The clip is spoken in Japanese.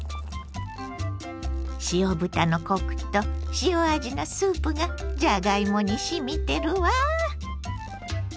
塩豚のコクと塩味のスープがじゃがいもにしみてるわ。